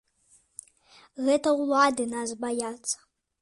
Гэта ўлады нас баяцца.